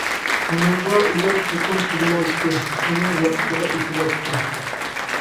بۇنىڭغا ئۇلار چوقۇم چىدىمايتتى، ئۇنىڭ ياقىسىغا ئېسىلاتتى.